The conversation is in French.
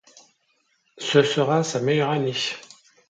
Ce sera sa meilleure année.